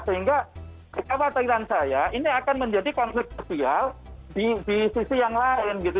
sehingga kekhawatiran saya ini akan menjadi konflik sosial di sisi yang lain gitu